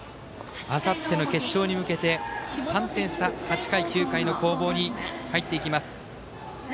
あさっての決勝に向けて３点差８回、９回の攻防に入っていきます。